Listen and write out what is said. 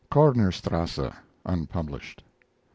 KORNERSTRASSE (unpublished).